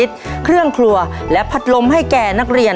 ทางโรงเรียนยังได้จัดซื้อหม้อหุงข้าวขนาด๑๐ลิตร